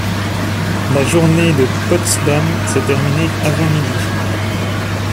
La journée de Potsdam s'est terminée avant midi.